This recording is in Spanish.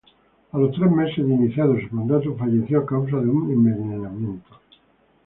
A los tres meses de iniciado su mandato falleció a causa de un envenenamiento.